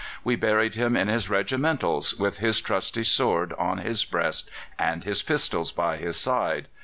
We buried him in his regimentals, with his trusty sword on his breast and his pistols by his side.